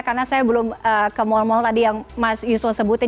karena saya belum ke mall mall tadi yang mas yusof sebutin